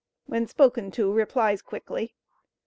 When spoken to, replies quickly.